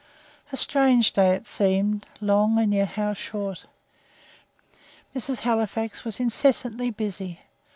A strange day it seemed long and yet how short! Mrs. Halifax was incessantly busy.